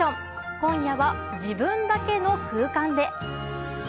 今夜は、自分だけの空間で。